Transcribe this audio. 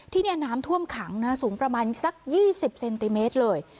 ที่นี่น้ำท่วมขังนะสูงประมาณสัก๒๐เซนติเมตรเลย